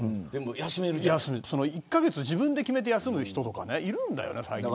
１カ月、自分で決めて休む人とかいるんだよね。